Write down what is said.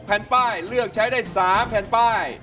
แผ่นป้ายเลือกใช้ได้๓แผ่นป้าย